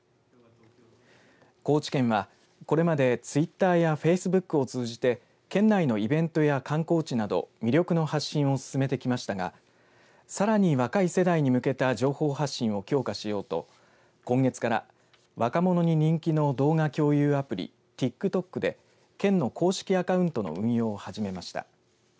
高知県は、これまでツイッターやフェイスブックを通じて県内のイベントや観光地など魅力の発信を進めてきましたがさらに若い世代に向けた情報発信を強化しようと今月から若者に人気の動画共有アプリ、ＴｉｋＴｏｋで県の公式アカウントの運用を始めました。